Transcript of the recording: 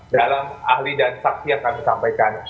dalam ahli dan saksi yang kami sampaikan